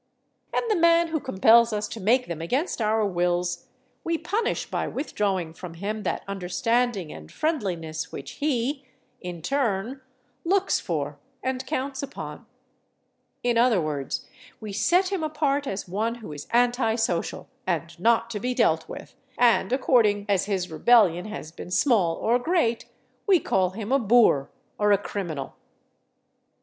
And the man who compels us to make them against our wills we punish by withdrawing from him that understanding and friendliness which he, in turn, looks for and counts upon. In other words, we set him apart as one who is anti social and not to be dealt with, and according as his rebellion has been small or great, we call him a boor or a criminal.